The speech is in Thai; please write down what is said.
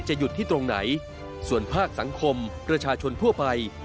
หยุดที่ตรงไหนส่วนภาคสังคมประชาชนทั่วไป